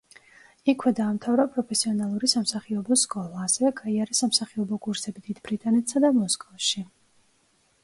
იქვე დაამთავრა პროფესიონალური სამსახიობო სკოლა, ასევე გაიარა სამსახიობო კურსები დიდ ბრიტანეთსა და მოსკოვში.